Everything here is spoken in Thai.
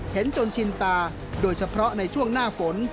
เห็นจนชินตาโดยเฉพาะในช่วงหน้าฝน